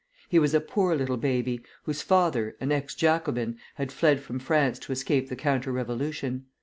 He was a poor little baby, whose father, an ex Jacobin, had fled from France to escape the counter revolution.